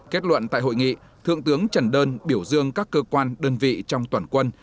kết luận tại hội nghị thượng tướng trần đơn biểu dương các cơ quan đơn vị trong toàn quân